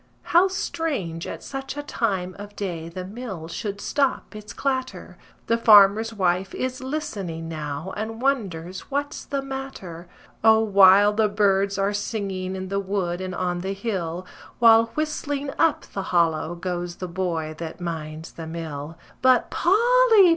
How strange at such a time of day the mill should stop its clatter! The farmer's wife is listening now and wonders what's the matter. O, wild the birds are singing in the wood and on the hill, While whistling up the hollow goes the boy that minds the mill. But Polly!